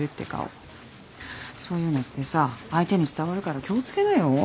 そういうのってさ相手に伝わるから気を付けなよ。